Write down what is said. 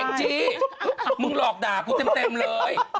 เอ็งจี้มึงหลอกด่าพูดเต็มเลย